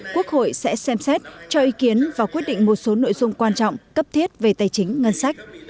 quốc hội sẽ xem xét cho ý kiến và quyết định một số nội dung quan trọng cấp thiết về tài chính ngân sách